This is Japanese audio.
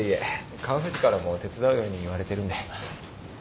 川藤からも手伝うように言われてるんで。